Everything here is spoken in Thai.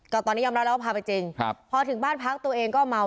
ก็ตอนนี้ยอมรับแล้วว่าพาไปจริงครับพอถึงบ้านพักตัวเองก็เมา